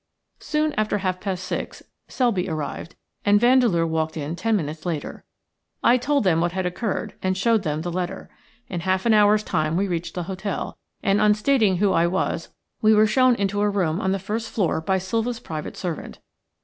Soon after half past six Selby arrived, and Vandeleur walked in ten minutes later. I told them what had occurred and showed them the letter. In half an hour's time we reached the hotel, and on stating who I was we were shown into a room on the first floor by Silva's private servant.